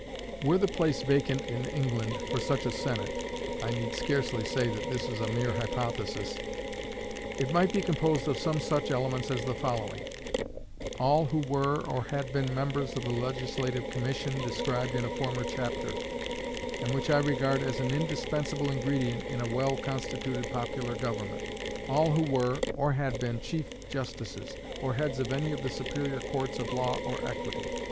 Were the place vacant in England for such a Senate (I need scarcely say that this is a mere hypothesis), it might be composed of some such elements as the following: All who were or had been members of the Legislative Commission described in a former chapter, and which I regard as an indispensable ingredient in a well constituted popular government. All who were or had been chief justices, or heads of any of the superior courts of law or equity.